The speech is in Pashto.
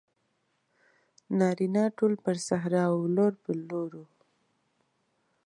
نارینه ټول پر صحرا وو لور په لور وو.